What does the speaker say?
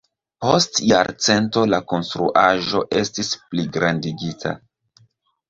Post jarcento la konstruaĵo estis pligrandigita.